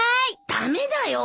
駄目だよ。